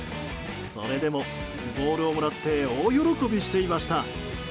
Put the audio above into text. それでも、ボールをもらって大喜びしていました。